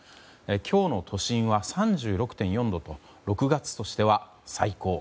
今日の都心は３６．４度と６月としては最高。